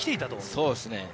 そうですね。